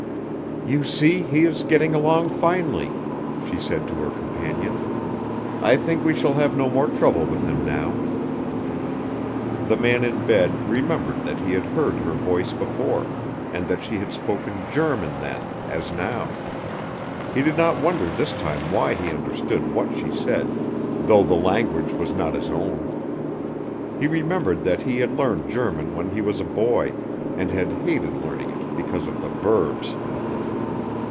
"You see, he is getting along finely," she said to her companion. "I think we shall have no more trouble with him now." The man in bed remembered that he had heard her voice before, and that she had spoken German then, as now. He did not wonder this time why he understood what she said, though the language was not his own. He remembered that he had learned German when he was a boy, and had hated learning it because of the verbs.